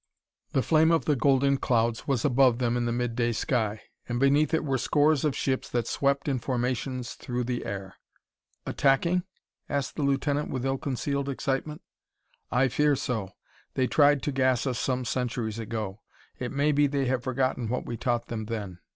The flame of the golden clouds was above them in the midday sky, and beneath it were scores of ships that swept in formations through the air. "Attacking?" asked the lieutenant with ill concealed excitement. "I fear so. They tried to gas us some centuries ago; it may be they have forgotten what we taught them then."